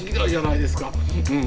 うん